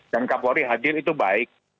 dan kapolri hadir itu baik